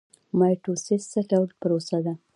مایټوسیس څه ډول پروسه ده؟